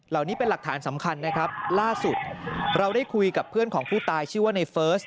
เหล่านี้เป็นหลักฐานสำคัญนะครับล่าสุดเราได้คุยกับเพื่อนของผู้ตายชื่อว่าในเฟิร์ส